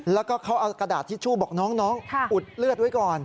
แล้วก็เขาเอากระดาษทิชชู่บอกน้องอุดเลือดไว้ก่อน